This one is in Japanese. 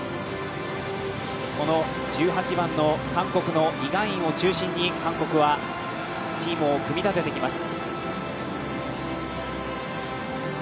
１８番の韓国のイ・ガンインを中心に韓国はチームを組み立ててきます。